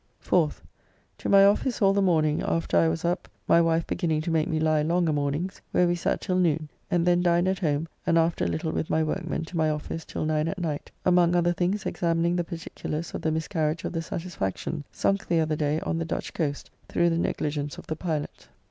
4th. To my office all the morning, after I was up (my wife beginning to make me lie long a mornings), where we sat till noon, and then dined at home, and after a little with my workmen to my office till 9 at night, among other things examining the particulars of the miscarriage of the Satisfaction, sunk the other day on the Dutch coast through the negligence of the pilott.